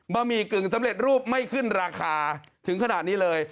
หมี่กึ่งสำเร็จรูปไม่ขึ้นราคาถึงขนาดนี้เลย